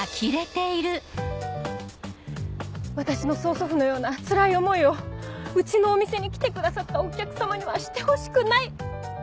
私の曽祖父のようなつらい思いをうちのお店に来てくださったお客様にはしてほしくない！